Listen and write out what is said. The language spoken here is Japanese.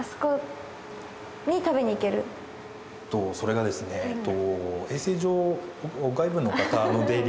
それがですねえっと。